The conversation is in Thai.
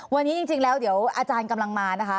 วันนี้จริงแล้วเดี๋ยวอาจารย์กำลังมานะคะ